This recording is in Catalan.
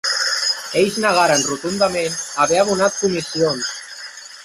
Ells negaren rotundament haver abonat comissions.